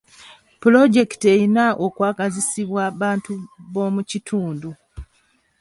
Pulojekiti erina okwagazisibwa bantu b'omu kitundu.